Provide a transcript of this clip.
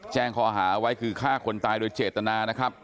แจ้งข้อหาไว้คือฆ่าคนตายโดยเจตนานะครับ